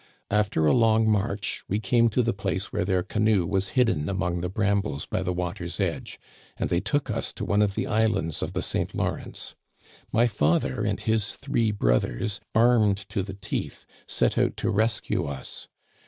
After a long march, we came to the place where their canoe was hidden among the brambles by the water's edge ; and they took Digitized by VjOOQIC gg THE CANADIANS OF OLD. US to one of the islands of the St. Lawrence. My father and his three brothers, armed to the teeth, set out to rescue us.